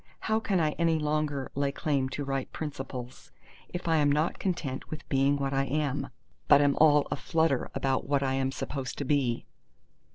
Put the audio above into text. how can I any longer lay claim to right principles, if I am not content with being what I am, but am all aflutter about what I am supposed to be?